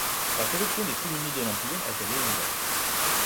La corruption des tribunaux de l’empire était légendaire.